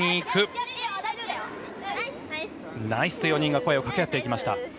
ナイスと４人が声をかけ合っていきました。